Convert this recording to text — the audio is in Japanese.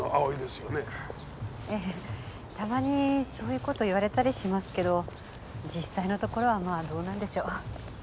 たまにそういう事言われたりしますけど実際のところはまあどうなんでしょう。